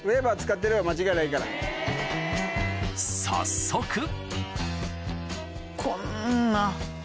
早速こんな。